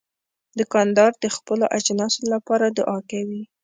دوکاندار د خپلو اجناسو لپاره دعا کوي.